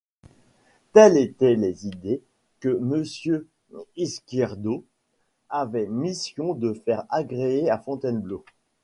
Telles étaient les idées que Monsieur Yzquierdo avait mission de faire agréer à Fontainebleau.